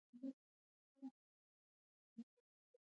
افغانستان د هوا په برخه کې نړیوال شهرت لري.